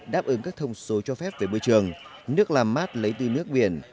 đáp ứng các thông số cho phép về môi trường nước làm mát lấy đi nước biển